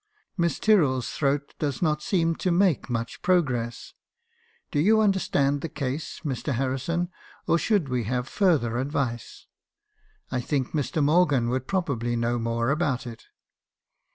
"'Miss Tyrrell's throat does not seem to make much pro gress. Do you understand the case, Mr. Harrison — or should we have further advice? I think Mr. Morgan would probably know more about it.'